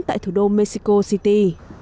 tại thủ đô mexico city